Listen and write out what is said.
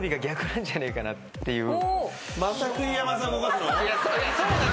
なんじゃないかなっていう。